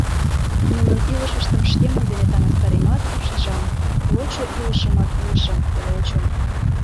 Нунын илышыштым шкемын дене таҥастаремат, шижам: лочо илышымак илышым, лочым...»